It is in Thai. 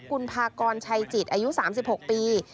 คุณพากรชัยจิตอายุ๓๖ปี